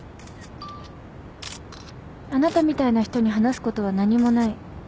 あなたみたいな人に話すことは何もない。